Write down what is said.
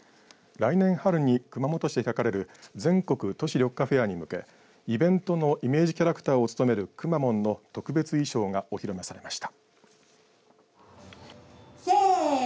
来年春に熊本市で開かれる全国都市緑化フェアに向けイベントのイメージキャラクターを務めるくまモンの特別衣装がお披露目されました。